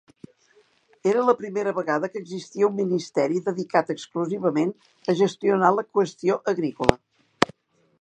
Era la primera vegada que existia un Ministeri dedicat exclusivament a gestionar la qüestió agrícola.